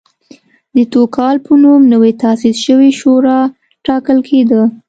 د دوکال په نوم نوې تاسیس شوې شورا ټاکل کېده